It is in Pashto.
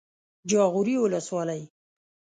جاغوري ولسوالۍ